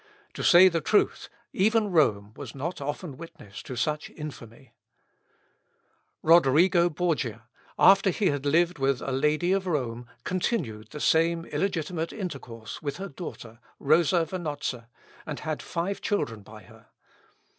To say the truth, even Rome was not often witness to such infamy. Schmidt, Gesch. der Deutschen. tom. iv. Roderigo Borgia, after he had lived with a lady of Rome, continued the same illegitimate intercourse with her daughter, Rosa Vanozza, and had five children by her.